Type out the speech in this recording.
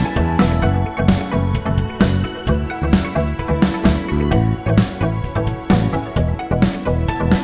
sampai jumpa lagi